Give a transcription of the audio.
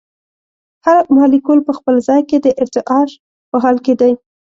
هر مالیکول په خپل ځای کې د ارتعاش په حال کې دی.